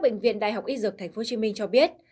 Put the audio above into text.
bệnh viện đại học y dược tp hcm cho biết